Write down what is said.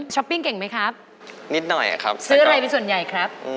ช้อปปิ้งเก่งไหมครับซื้ออะไรเป็นส่วนใหญ่ครับนิดหน่อยครับ